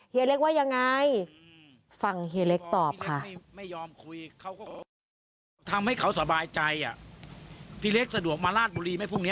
เฮเล็กว่ายังไง